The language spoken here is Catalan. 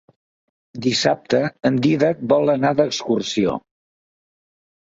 Dissabte en Dídac vol anar d'excursió.